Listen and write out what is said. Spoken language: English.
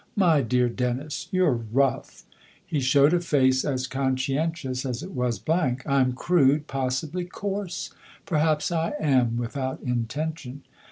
" My dear Dennis you're rough !" He showed a face as conscientious as it was blank. " I'm crude possibly coarse ? Perhaps I am without intention."